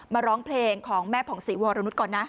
ร้องเพลงของแม่ผ่องศรีวรนุษย์ก่อนนะ